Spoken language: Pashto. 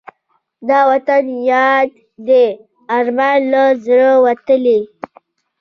د وطن یاد دې ارام له زړه لوټلی